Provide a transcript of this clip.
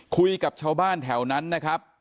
คุยกับชาวบ้านแถวนั้นนะครับ